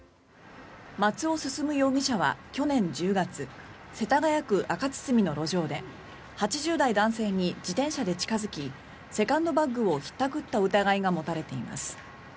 松尾将容疑者は去年１０月世田谷区赤堤の路上で８０代男性に自転車で近付きセカンドバッグをひったくった疑いが持たれています。